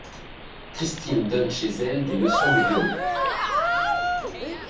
Christine donne chez elle des leçons de violon.